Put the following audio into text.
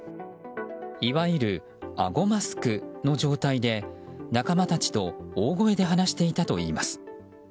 いわゆる、あごマスクの状態で仲間たちと大声で話していたといいます。